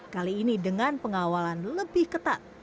kali ini dengan pengawalan lebih ketat